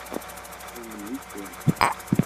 Numen-ikem.